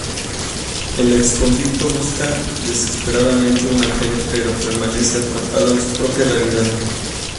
El exconvicto busca desesperadamente una fe, pero permanece atrapado en su propia realidad.